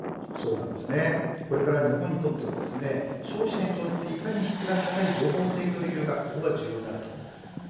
これから日本にとっては消費者にとっていかに質が高い情報提供できるかが重要になります。